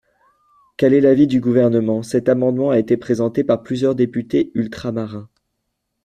Quel est l’avis du Gouvernement ? Cet amendement a été présenté par plusieurs députés ultramarins.